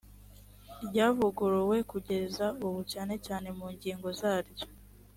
ryavuguruwe kugeza ubu cyane cyane mungingo zaryo